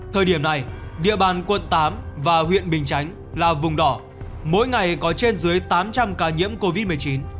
thời điểm này địa bàn quận tám và huyện bình chánh là vùng đỏ mỗi ngày có trên dưới tám trăm linh ca nhiễm covid một mươi chín